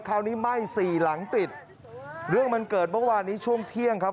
คราวนี้ไหม้สี่หลังติดเรื่องมันเกิดเมื่อวานนี้ช่วงเที่ยงครับ